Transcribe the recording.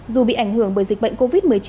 dù bị ảnh hưởng bởi dịch bệnh covid một mươi chín